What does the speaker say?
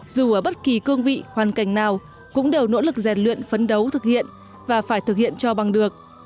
dù ở bất kỳ cương vị hoàn cảnh nào cũng đều nỗ lực rèn luyện phấn đấu thực hiện và phải thực hiện cho bằng được